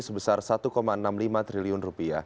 sebesar rp satu enam puluh lima triliun